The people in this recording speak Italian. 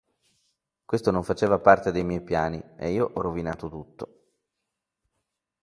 Questo non faceva parte dei miei piani, e io ho rovinato tutto".